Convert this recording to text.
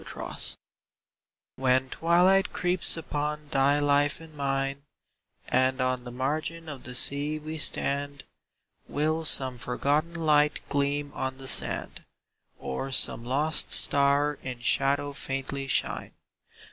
'* HEN twilight creeps upon thy life and mine, And on the margin of the sea we stand, Will some forgotten light gleam on the sand, Or some lost star in shadow faintly shine